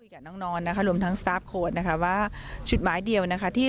กับน้องนอนนะคะรวมทั้งสตาร์ฟโค้ดนะคะว่าจุดหมายเดียวนะคะที่